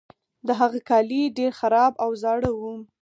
د هغه کالي ډیر خراب او زاړه وو.